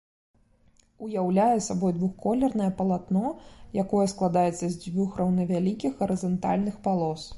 Уяўляе сабой двухколернае палатно, якое складаецца з дзвюх роўнавялікіх гарызантальных палос.